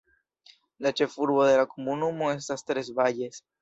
La ĉefurbo de la komunumo estas Tres Valles.